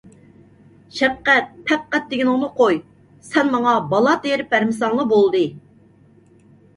شەپقەت - پەپقەت دېگىنىڭنى قوي، سەن ماڭا بالا تېرىپ بەرمىسەڭلا بولدى.